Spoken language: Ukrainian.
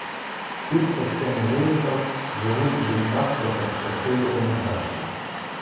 Ті, хто ще не виїхав, живуть в думках про перспективу еміграції.